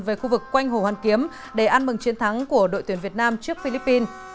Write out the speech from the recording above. về khu vực quanh hồ hoàn kiếm để ăn mừng chiến thắng của đội tuyển việt nam trước philippines